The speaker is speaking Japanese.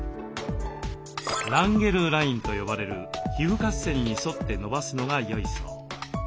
「ランゲルライン」と呼ばれる皮膚割線に沿ってのばすのがよいそう。